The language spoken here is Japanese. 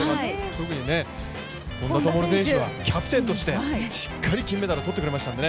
特に本多灯選手はキャプテンとしてしっかり金メダル取ってくれましたんでね。